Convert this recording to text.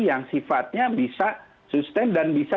yang sifatnya bisa sustain dan bisa